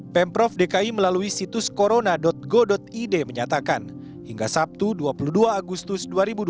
pemprov dki melalui situs corona go id menyatakan hingga sabtu dua puluh dua agustus dua ribu dua puluh